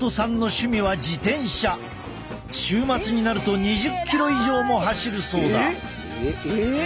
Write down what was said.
週末になると２０キロ以上も走るそうだ。